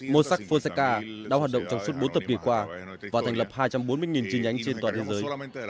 mô sắc fonseca đã hoạt động trong suốt bốn thập kỷ qua và thành lập hai trăm bốn mươi chi nhánh trên toàn thế giới